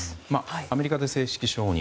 アメリカで正式承認